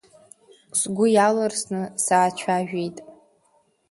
Сгәы иалырсны саацәажәеит.